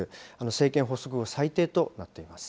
政権発足後最低となっています。